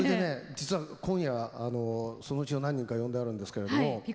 実は今夜そのうちの何人か呼んであるんですけれども。